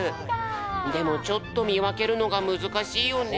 でもちょっとみわけるのがむずかしいよね。